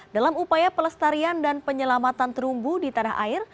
dalam upaya pelestarian dan penyelamatan terumbu di tanah air